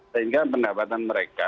sehingga pendapatan mereka